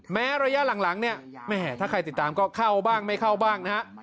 แม้ระยะหลังเนี่ยแม่ถ้าใครติดตามก็เข้าบ้างไม่เข้าบ้างนะฮะ